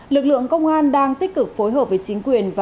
lực lượng công an đang tích cực phối hợp với chính quyền và